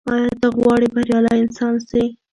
ایا ته غواړې بریالی انسان سې؟